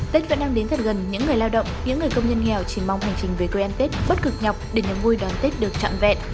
tết vẫn đang đến gần những người lao động những người công nhân nghèo chỉ mong hành trình về quê ăn tết bất cực nhọc để nhà vui đón tết được trọn vẹn